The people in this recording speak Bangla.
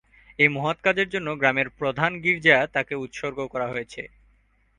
এই মহৎ কাজের জন্য গ্রামের প্রধান গির্জা তাকে উৎসর্গ করা হয়েছে।